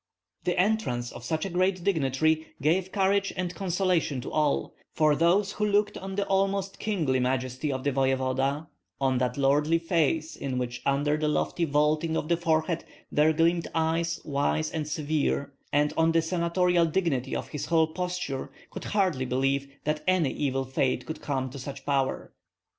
The entrance of such a great dignitary gave courage and consolation to all; for those who looked on the almost kingly majesty of the voevoda, on that lordly face in which under the lofty vaulting of the forehead there gleamed eyes wise and severe, and on the senatorial dignity of his whole posture, could hardly believe that any evil fate could come to such power.